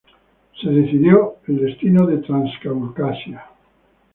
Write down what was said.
Se decidió el destino de Transcaucasia.